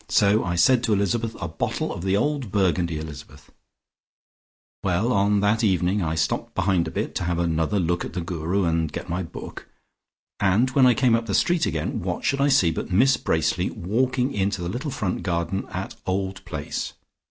So I said to Elizabeth, 'A bottle of the old Burgundy, Elizabeth,' Well, on that evening I stopped behind a bit, to have another look at the Guru, and get my book, and when I came up the street again, what should I see but Miss Bracely walking in to the little front garden at 'Old Place.'